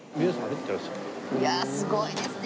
いやあすごいですね。